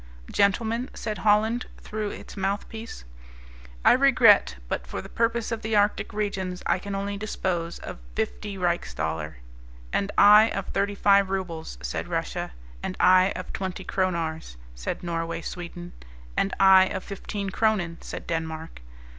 "Gentlemen," said Holland, through its mouthpiece, "I regret, but for the purpose of the Arctic regions I can only dispose of fifty riechsthaler." "And I of thirty five rubles," said Russia. "And I of twenty kronors," said Norway Sweden. "And I of fifteen cronen," said Denmark.